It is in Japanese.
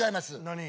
何？